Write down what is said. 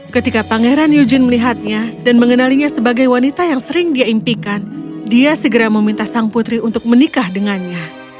ketika pangeran yujin melihatnya dan mengenalinya sebagai wanita yang sering dia impikan dia segera meminta sang putri untuk menikah dengannya